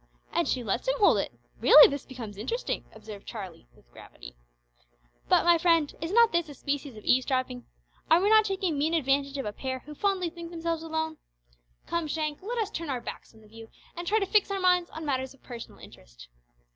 "And she lets him hold it. Really this becomes interesting," observed Charlie, with gravity. "But, my friend, is not this a species of eavesdropping? Are we not taking mean advantage of a pair who fondly think themselves alone? Come, Shank, let us turn our backs on the view and try to fix our minds on matters of personal interest."